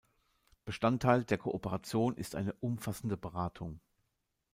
Bestandteil der Kooperation ist eine umfassende Beratung.